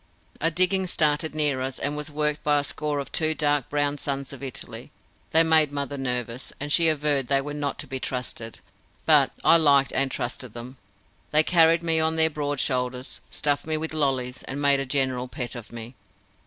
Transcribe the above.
A digging started near us and was worked by a score of two dark browed sons of Italy. They made mother nervous, and she averred they were not to be trusted, but I liked and trusted them. They carried me on their broad shoulders, stuffed me with lollies and made a general pet of me.